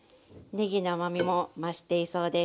ねぎの甘みも増していそうです。